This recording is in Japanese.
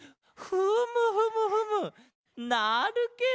フムフムフムなるケロ！